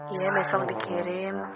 iya besok dikirim